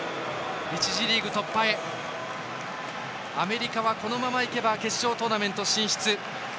１次リーグ突破へアメリカはこのままいけば決勝トーナメント進出。